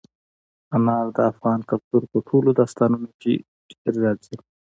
انار د افغان کلتور په ټولو داستانونو کې ډېره راځي.